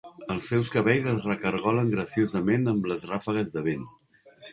Els seus cabells es recargolen graciosament amb les ràfegues de vent.